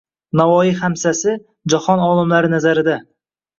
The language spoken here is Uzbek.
Navoiy Xamsasi ‒ jahon olimlari nazarida